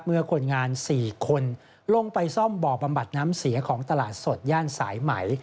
คนงาน๔คนลงไปซ่อมบ่อบำบัดน้ำเสียของตลาดสดย่านสายไหม